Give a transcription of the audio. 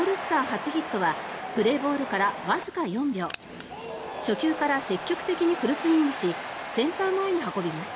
初ヒットはプレイボールから４秒初球から積極的にフルスイングしセンター前に運びます。